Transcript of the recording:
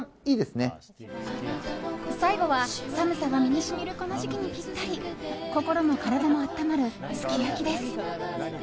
最後は寒さが身に染みるこの時期にぴったり心も体も温まる、すき焼きです。